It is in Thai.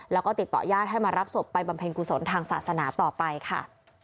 แล้วก็ติดต่อญาติให้มารับศพไปบำเพ็ญกุศลทางศาสนาต่อไปค่ะ